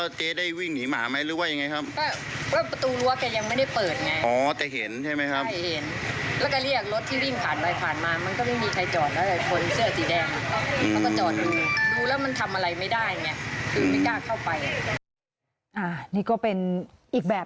แล้วเจ๊ได้วิ่งหนีหมาไหมหรือว่าอย่างไรครับ